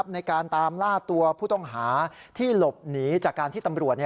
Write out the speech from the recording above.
ในการตามล่าตัวผู้ต้องหาที่หลบหนีจากการที่ตำรวจ